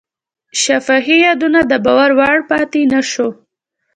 شفاهي یادونه د باور وړ پاتې نه شوه.